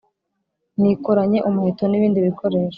Nikoranye umuheto nibindi bikoresho